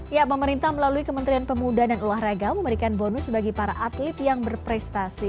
ya pemerintah melalui kementerian pemuda dan olahraga memberikan bonus bagi para atlet yang berprestasi